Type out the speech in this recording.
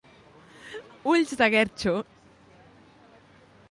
Ulls de guerxo.